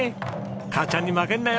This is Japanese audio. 母ちゃんに負けるなよ